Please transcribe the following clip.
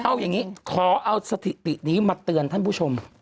เอาอย่างนี้ขอเอาสถิตินี้มาเตือนท่านผู้ชม